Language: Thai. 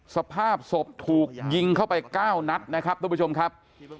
สภาพศพถูกยิงเข้าไป๙นัดนะครับทุกผู้ชมครับ